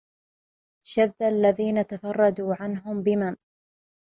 شذ الذين تفردوا عنهم بمن